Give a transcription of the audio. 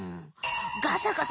ガサガサ